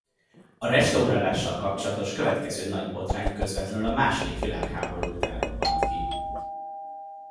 A restaurálással kapcsolatos következő nagy botrány közvetlenül a második világháború után robbant ki.